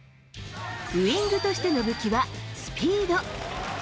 ウイングとしての武器はスピード。